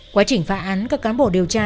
quá trình phá án các cán bộ điều tra